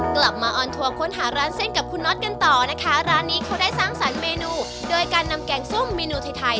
มาออนทัวร์ค้นหาร้านเส้นกับคุณน็อตกันต่อนะคะร้านนี้เขาได้สร้างสรรค์เมนูโดยการนำแกงส้มเมนูไทยไทย